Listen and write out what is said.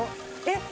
えっ？